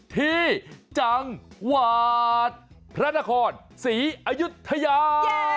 ที่จังหวัดพระนครศรีอยุธยา